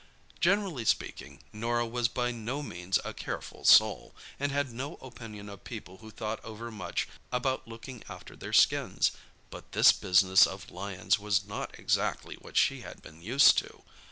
Generally speaking, Norah was by no means a careful soul, and had no opinion of people who thought over much about looking after their skins; but this business of lions was not exactly what she had been used to.